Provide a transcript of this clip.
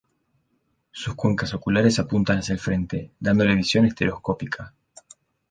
Sus cuencas oculares apuntan hacia el frente, dándole visión estereoscópica.